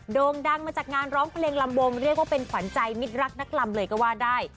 โด่งดังมาจากงานร้องเพลงลำวงเรียกว่าเป็นขวัญใจมิตรรักนักลำเลยก็ว่าได้